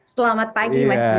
selamat pagi mas yuda